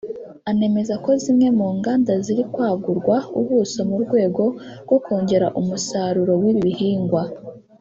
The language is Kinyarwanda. anemeza ko zimwe mu nganda ziri kwagurwa ubuso mu rwego rwo kongera umusaruro w’ibi bihingwa